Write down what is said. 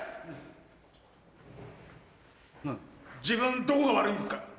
自分どこが悪いんですか？